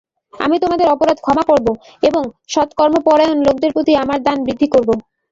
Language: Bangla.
আমি তোমাদের অপরাধ ক্ষমা করব এবং সৎকর্মপরায়ণ লোকদের প্রতি আমার দান বৃদ্ধি করব।